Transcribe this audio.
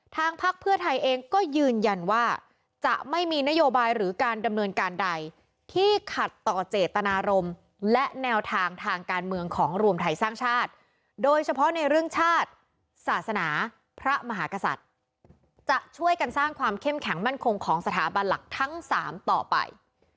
พักเพื่อไทยเองก็ยืนยันว่าจะไม่มีนโยบายหรือการดำเนินการใดที่ขัดต่อเจตนารมณ์และแนวทางทางการเมืองของรวมไทยสร้างชาติโดยเฉพาะในเรื่องชาติศาสนาพระมหากษัตริย์จะช่วยกันสร้างความเข้มแข็งมั่นคงของสถาบันหลักทั้ง๓ต่อไป